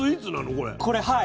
これはい。